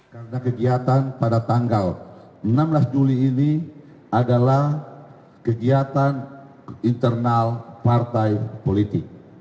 karena kegiatan pada tanggal enam belas juli ini adalah kegiatan internal partai politik